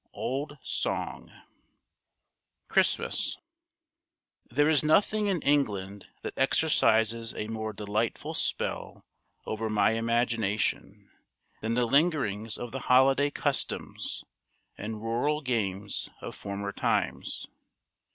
Old Song. [Illustration: CHRISTMAS] There is nothing in England that exercises a more delightful spell over my imagination than the lingerings of the holiday customs and rural games of former times.